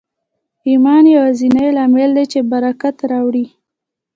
ایمان یوازېنی لامل دی چې برکت راوړي